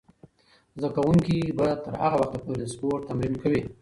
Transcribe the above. زده کوونکې به تر هغه وخته پورې د سپورت تمرین کوي.